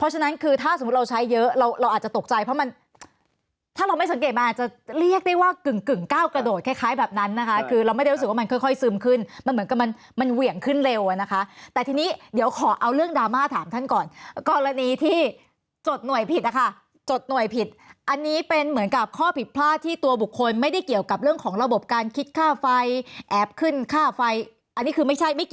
สังเกตมันอาจจะเรียกได้ว่ากึ่งก้าวกระโดดคล้ายแบบนั้นนะคะคือเราไม่ได้รู้สึกว่ามันค่อยซึมขึ้นมันเหมือนกับมันเหมือนเหวี่ยงขึ้นเร็วนะคะแต่ทีนี้เดี๋ยวขอเอาเรื่องดราม่าถามท่านก่อนกรณีที่จดหน่วยผิดนะคะจดหน่วยผิดอันนี้เป็นเหมือนกับข้อผิดพลาดที่ตัวบุคคลไม่ได้เกี่ยวกับเรื่องของระบบการคิดค่า